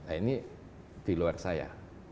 nah ini di luar saya